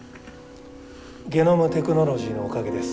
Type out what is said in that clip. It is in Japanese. ゲノムテクノロジーのおかげです。